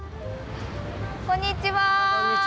こんにちは。